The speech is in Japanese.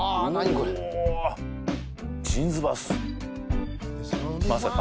これうわジーンズバスまさか？